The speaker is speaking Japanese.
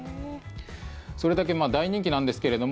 それだけ大人気なんですけれども